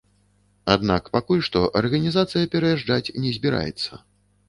Аднак пакуль што арганізацыя пераязджаць не збіраецца.